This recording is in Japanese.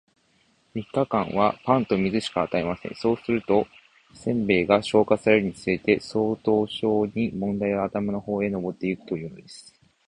三日間は、パンと水しか与えません。そうすると、煎餅が消化されるにつれて、それと一しょに問題は頭の方へ上ってゆくというのです。